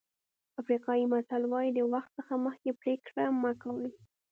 افریقایي متل وایي د وخت څخه مخکې پرېکړه مه کوئ.